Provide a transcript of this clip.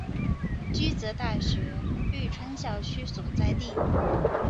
驹泽大学玉川校区所在地。